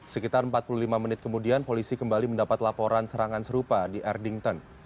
sekitar empat puluh lima menit kemudian polisi kembali mendapat laporan serangan serupa di erdington